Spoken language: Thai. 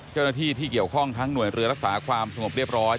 เจ้าหน้าที่ที่เกี่ยวข้องทั้งหน่วยเรือรักษาความสงบเรียบร้อย